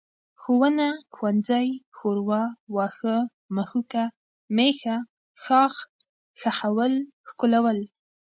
ښوونه، ښوونځی، ښوروا، واښه، مښوکه، مېښه، ښاخ، ښخول، ښکلول